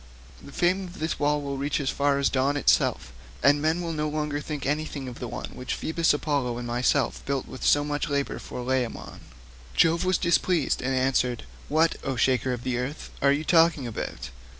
The fame of this wall will reach as far as dawn itself, and men will no longer think anything of the one which Phoebus Apollo and myself built with so much labour for Laomedon." Jove was displeased and answered, "What, O shaker of the earth, are you talking about?